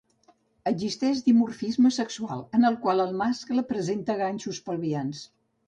Existeix dimorfisme sexual, en el qual el mascle presenta ganxos pelvians.